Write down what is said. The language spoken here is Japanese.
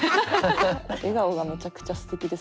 笑顔がむちゃくちゃすてきです。